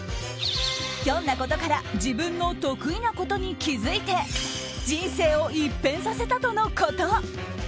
ひょんなことから自分の得意なことに気付いて人生を一変させたとのこと。